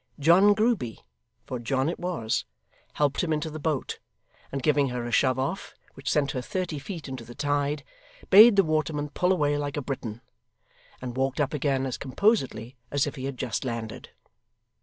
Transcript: John Grueby (for John it was) helped him into the boat, and giving her a shove off, which sent her thirty feet into the tide, bade the waterman pull away like a Briton; and walked up again as composedly as if he had just landed.